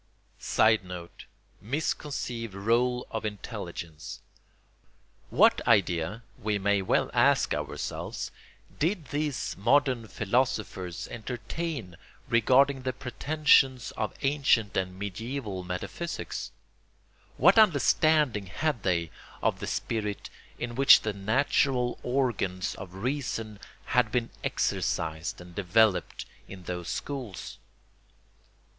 [Sidenote: Misconceived rôle of intelligence.] What idea, we may well ask ourselves, did these modern philosophers entertain regarding the pretensions of ancient and mediæval metaphysics? What understanding had they of the spirit in which the natural organs of reason had been exercised and developed in those schools?